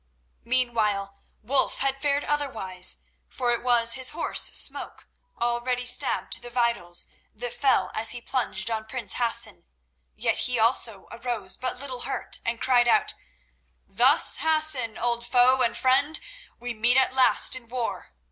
Meanwhile Wulf had fared otherwise, for it was his horse Smoke, already stabbed to the vitals, that fell as he plunged on prince Hassan. Yet he also arose but little hurt, and cried out: "Thus, Hassan, old foe and friend, we meet at last in war.